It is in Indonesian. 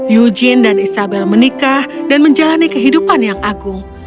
eugene dan isabel menikah dan menjalani kehidupan yang agung